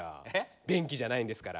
便器じゃないんですから。